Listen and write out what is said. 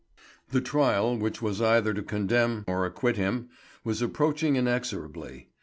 The trial, which was either to condemn or acquit him, was approaching inexorably.